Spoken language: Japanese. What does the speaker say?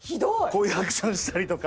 こういうアクションしたりとか。